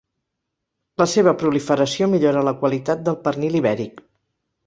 La seva proliferació millora la qualitat del pernil ibèric.